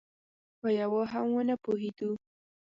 په یوه هم ونه پوهېدو.